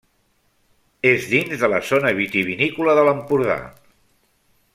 És dins de la zona vitivinícola de l'Empordà.